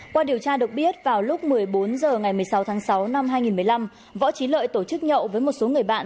qua điều tra được biết vào lúc một mươi bốn h ngày một mươi sáu tháng sáu năm hai nghìn một mươi năm võ trí lợi tổ chức nhậu với một số người bạn